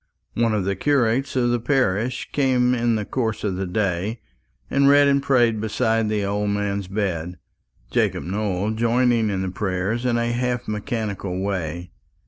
One of the curates of the parish came in the course of the day, and read and prayed beside the old man's bed, Jacob Nowell joining in the prayers in a half mechanical way.